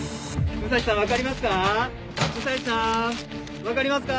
武蔵さん分かりますか？